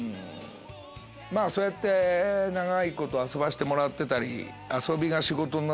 まぁそうやって長いこと遊ばせてもらってたり。